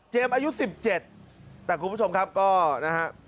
อายุ๑๗แต่คุณผู้ชมครับก็นะฮะ